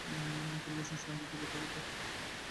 তিনি অবশ্যই সে হাদীসের ব্যাখ্যা করতেন।